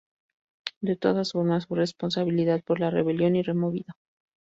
De todas formas, fue responsabilizado por la rebelión y removido.